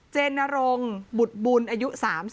เจนนารงศ์บุฏบุญอายุ๓๐